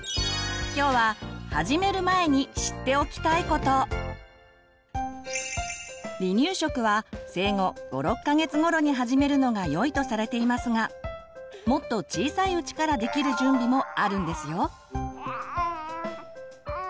今日は離乳食は生後５６か月頃に始めるのがよいとされていますがもっと小さいうちからできる準備もあるんですよ。